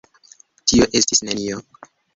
Tio estis nenio!